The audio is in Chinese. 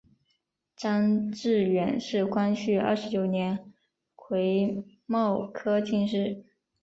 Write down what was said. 张智远是光绪二十九年癸卯科进士。